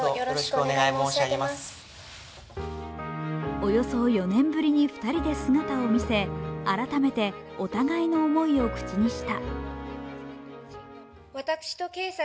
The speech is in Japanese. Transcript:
およそ４年ぶりに２人で姿を見せ改めてお互いの思いを口にした。